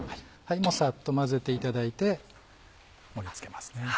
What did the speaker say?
もうさっと混ぜていただいて盛り付けます。